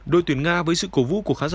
đội tuyển nga với sự cổ vũ của khán giả